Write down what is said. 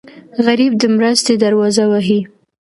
غریب د مرستې دروازه وهي